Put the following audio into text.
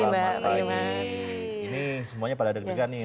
ini semuanya pada deg degan nih